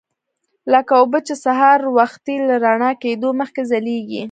لکه اوبه چې سهار وختي له رڼا کېدو مخکې ځلیږي.